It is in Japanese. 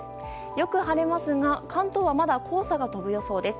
よく晴れますが、関東はまだ黄砂が飛ぶ予想です。